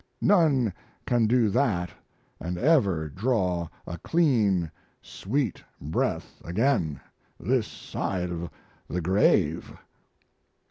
None can do that and ever draw a clean, sweet breath again this side of the grave.